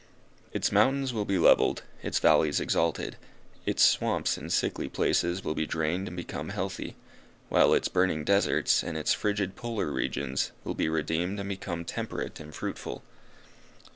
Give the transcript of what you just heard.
Its mountains will be levelled, its valleys exalted, its swamps and sickly places will be drained and become healthy, while its burning deserts, and its frigid polar regions, will be redeemed and become temperate and fruitful.